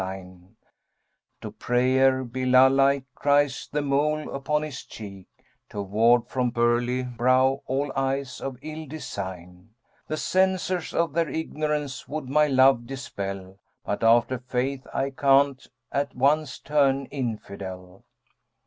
[FN#201] To prayer Bilбl like cries that Mole upon his cheek * To ward from pearly brow all eyes of ill design:[FN#202] The censors of their ignorance would my love dispel * But after Faith I can't at once turn Infidel.'